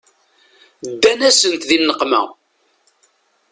Ddan-asent di nneqma.